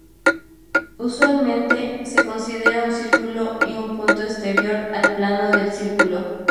Usualmente, se considera un círculo y un punto exterior al plano del círculo.